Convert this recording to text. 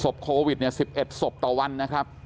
โควิด๑๑ศพต่อวันนะครับ